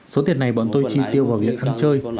số tiền này bọn tôi chi tiêu vào việc ăn chơi